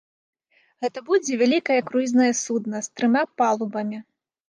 Гэта будзе вялікае круізнае судна з трыма палубамі.